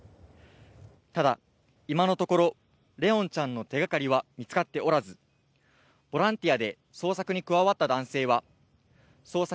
ただ今のところ、怜音ちゃんの手掛かりは見つかっておらず、ボランティアで捜索に加わった男性は捜索